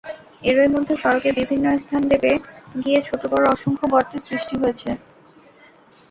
এরই মধ্যে সড়কের বিভিন্ন স্থান দেবে গিয়ে ছোট-বড় অসংখ্য গর্তের সৃষ্টি হয়েছে।